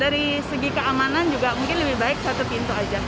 dari segi keamanan juga mungkin lebih baik satu pintu aja